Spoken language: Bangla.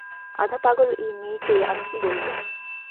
আধা-পাগল ই মেয়েকে আমি কী বলব?